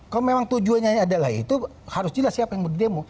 kalau memang tujuannya adalah itu harus jelas siapa yang mau di demo